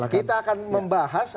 kita akan membahas